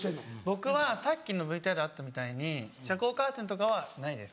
僕はさっきのＶＴＲあったみたいに遮光カーテンとかはないです。